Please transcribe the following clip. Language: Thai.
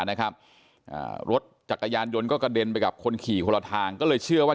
นะครับอ่ารถจักรยานยนต์ก็กระเด็นไปกับคนขี่คนละทางก็เลยเชื่อว่า